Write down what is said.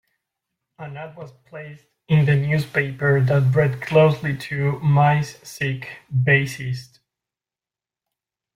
An ad was placed in the newspaper that read closely to Mice seek bassist.